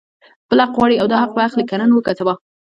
خپل حق غواړي او دا حق به اخلي، که نن وو که سبا